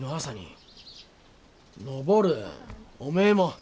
おめえも。